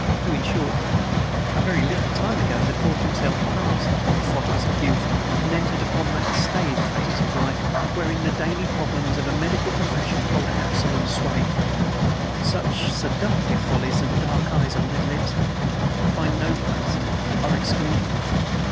who, in short, a very little time ago, had thought himself past the hot follies of youth and entered upon that staid phase of life wherein the daily problems of the medical profession hold absolute sway and such seductive follies as dark eyes and red lips find no place are excluded!